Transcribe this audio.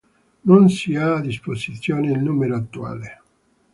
Non si ha a disposizione il numero attuale.